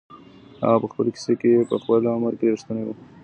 هغه په خپل کیسې کي په خپل عمر کي رښتونی و.